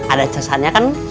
ada casannya kan